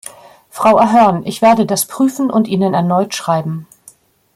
Frau Ahern, ich werde das prüfen und Ihnen erneut schreiben.